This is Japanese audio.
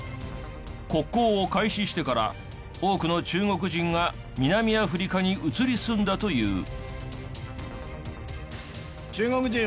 国交を開始してから多くの中国人が南アフリカに移り住んだという。